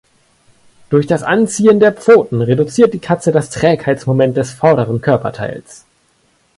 Durch das Anziehen der Pfoten reduziert die Katze das Trägheitsmoment des vorderen Körperteils.